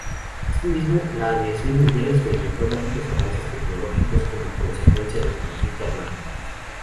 Asimismo la aviación mundial experimentó rápidos avances tecnológicos como consecuencia del conflicto armado.